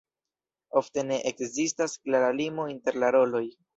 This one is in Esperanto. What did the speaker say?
Ofte ne ekzistas klara limo inter la roloj.